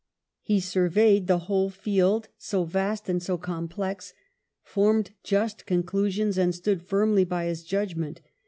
He sonreyed the whole field, so vast and so complex, formed just conclusions, and stood finnly by his judgment.